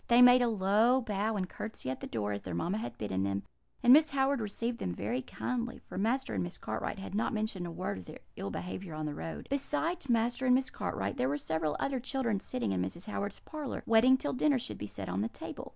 They made a low bow and curtsey at the door, as their mamma had bidden them; and Mrs. Howard received them very kindly, for Master and Miss Cartwright had not mentioned a word of their ill behaviour on the road. "Besides Master and Miss Cartwright, there were several other children sitting in Mrs. Howard's parlour, waiting till dinner should be set on the table.